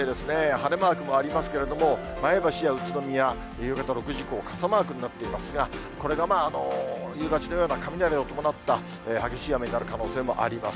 晴れマークもありますけれども、前橋や宇都宮、夕方６時以降、傘マークになっていますが、これが夕立のような雷を伴った激しい雨になる可能性もあります。